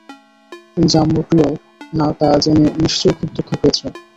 তুমি যে আম্মুর প্রিয় না তা জেনে নিশ্চয়ই খুব দুঃখ পেয়েছ।